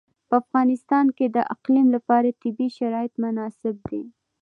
په افغانستان کې د اقلیم لپاره طبیعي شرایط مناسب دي.